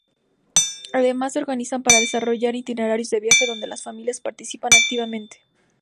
Además se organizan para desarrollar itinerarios de viaje donde las familias participan activamente.